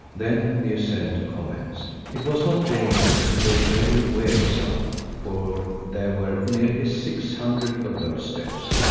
Then the ascent commenced. It was not dangerous though very wearisome, for there were nearly six hundred of those steps.